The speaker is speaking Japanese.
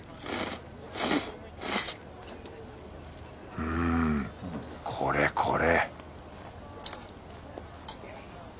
うんこれこれ